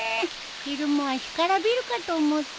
昼間は干からびるかと思ったよ。